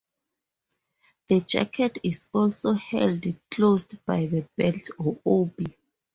The jacket is also held closed by the belt or obi.